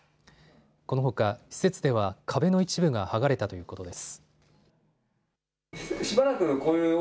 このほか施設では壁の一部が剥がれたということです。